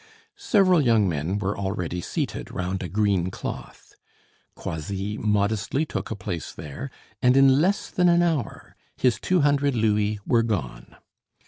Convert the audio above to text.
Several young men were already seated round a green cloth. Croisilles modestly took a place there, and in less than an hour his two hundred louis were gone.